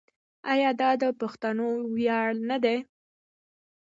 آیا دا د پښتنو ویاړ نه دی؟